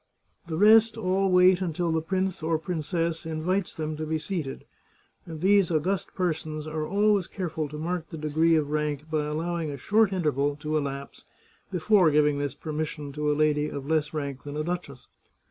The rest all wait until the prince or princess in vites them to be seated, and these august persons are always careful to mark the degree of rank by allowing a short interval to elapse before giving this permission to a lady of less rank than a duchess.